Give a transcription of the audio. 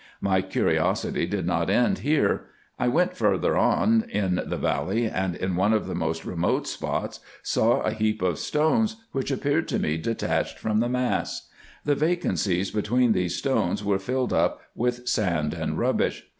My curiosity did not end here. I went farther on in the valley ; and in one of the most remote spots saw a heap of stones, which appeared to me detached from the mass. The vacancies between these stones were filled up with sand and rubbish.